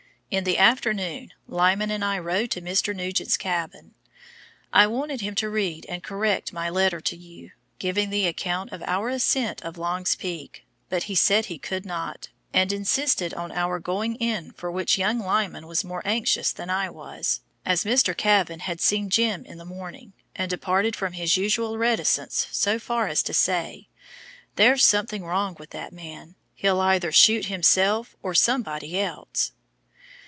In the afternoon Lyman and I rode to Mr. Nugent's cabin. I wanted him to read and correct my letter to you, giving the account of our ascent of Long's Peak, but he said he could not, and insisted on our going in for which young Lyman was more anxious than I was, as Mr. Kavan had seen "Jim" in the morning, and departed from his usual reticence so far as to say, "There's something wrong with that man; he'll either shoot himself or somebody else."